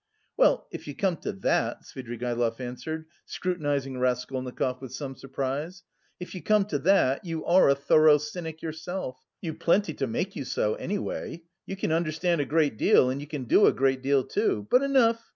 "Well, if you come to that," Svidrigaïlov answered, scrutinising Raskolnikov with some surprise, "if you come to that, you are a thorough cynic yourself. You've plenty to make you so, anyway. You can understand a great deal... and you can do a great deal too. But enough.